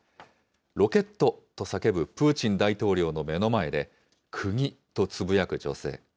ロケット！と叫ぶプーチン大統領の目の前で、くぎとつぶやく女性。